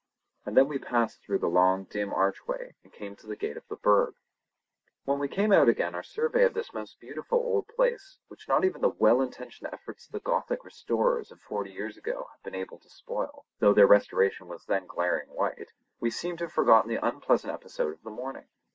And then we passed through the long, dim archway and came to the gate of the Burg. When we came out again after our survey of this most beautiful old place which not even the well intentioned efforts of the Gothic restorers of forty years ago have been able to spoil—though their restoration was then glaring white—we seemed to have quite forgotten the unpleasant episode of the morning.